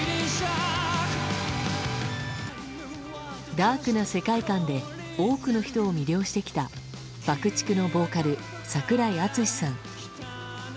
ダークな世界観で多くの人を魅了してきたＢＵＣＫ‐ＴＩＣＫのボーカル櫻井敦司さん。